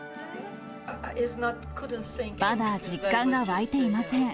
まだ実感が湧いていません。